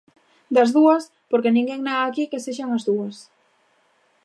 Das dúas, porque ninguén nega aquí que sexan as dúas.